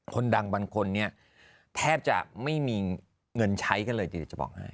คนดังบางคนเนี่ยแทบจะไม่มีเงินใช้กันเลยดีจะบอกให้